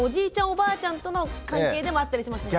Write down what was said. おばあちゃんとの関係でもあったりしますもんね。